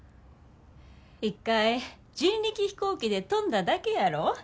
一回人力飛行機で飛んだだけやろ。